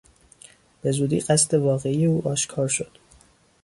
به زودی قصد واقعی او آشکار شد.